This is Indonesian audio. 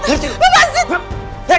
kayaknya ini udah berakhir